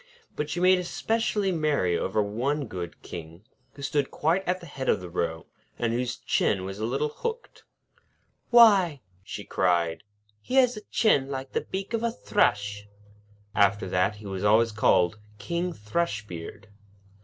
But she made specially merry over one good King, who stood quite at the head of the row, and whose chin was a little hooked. 'Why!' she cried, 'he has a chin like the beak of a thrush.' After that, he was always called 'King Thrushbeard.'